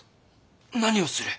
何をする？